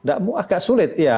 agak sulit ya